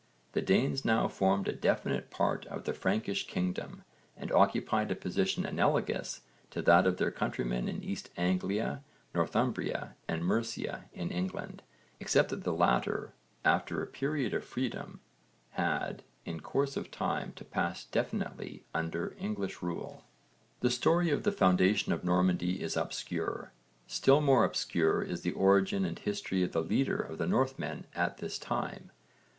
The Danes now formed a definite part of the Frankish kingdom and occupied a position analogous to that of their countrymen in East Anglia, Northumbria and Mercia in England, except that the latter after a period of freedom had in course of time to pass definitely under English rule. The story of the foundation of Normandy is obscure: still more obscure is the origin and history of the leader of the Northmen at this time.